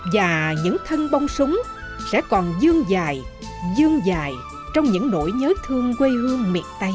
và những thân bông súng sẽ còn dương dài dương dài trong những nỗi nhớ thương quê hương miệt tây